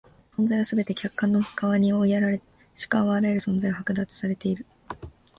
存在はすべて客観の側に追いやられ、主観はあらゆる存在を剥奪されている。